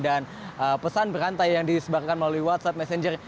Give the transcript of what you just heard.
dan pesan berantai yang disebarakan melalui whatsapp messenger